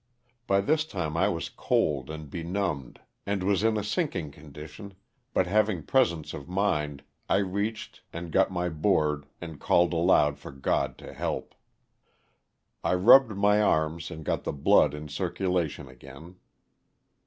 By this time I was cold and benumbed and was in a sinking condition, but having presence of mind I reached and got my board and called aloud to God for help. I rubbed my arms and got the blood in circulation again.